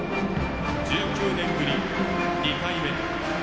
１９年ぶり２回目。